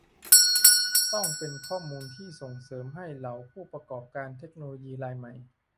ต้องเป็นข้อมูลที่ส่งเสริมให้เหล่าผู้ประกอบการเทคโนโลยีรายใหม่